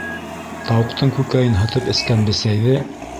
Тауыҡтың күкәйен һытып эскән бесәйҙе.